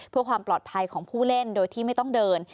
เพื่อความปลอดภัยของผู้เล่นโดยที่ไม่ต้องเดิน